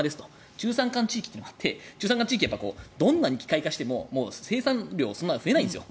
中山間地域というのがあって中山間地域はどんなに機械化しても生産量増えないんです。